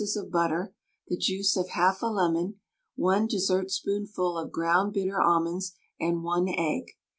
of butter, the juice of 1/2 a lemon, 1 dessertspoonful of ground bitter almonds, and 1 egg.